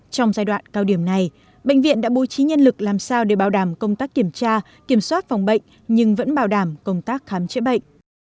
trong giai đoạn cao điểm này bệnh viện đã bố trí nhân lực làm sao để bảo đảm công tác kiểm tra kiểm soát phòng bệnh nhưng vẫn bảo đảm công tác khám chữa bệnh